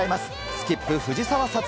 スキップ、藤澤五月。